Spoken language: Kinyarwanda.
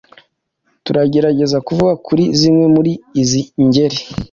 Turagerageza kuvuga kuri zimwe muri izi ngeri